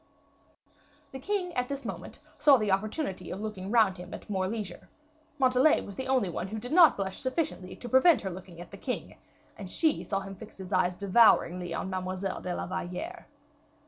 The king at this moment took the opportunity of looking round him at more leisure; Montalais was the only one who did not blush sufficiently to prevent her looking at the king, and she saw him fix his eyes devouringly on Mademoiselle de la Valliere.